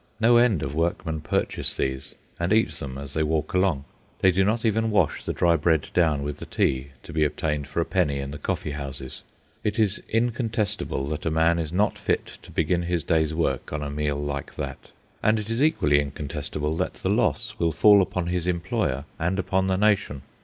No end of workmen purchase these, and eat them as they walk along. They do not even wash the dry bread down with the tea to be obtained for a penny in the coffee houses. It is incontestable that a man is not fit to begin his day's work on a meal like that; and it is equally incontestable that the loss will fall upon his employer and upon the nation.